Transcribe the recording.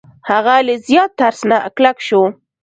هغه له زیات ترس نه کلک شو.